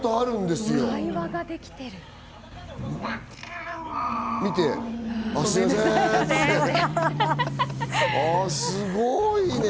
すごいね。